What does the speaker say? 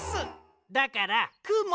だからくも！